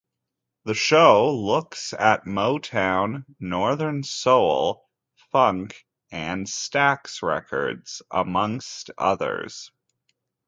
The show looks at Motown, Northern Soul, funk and Stax records amongst others.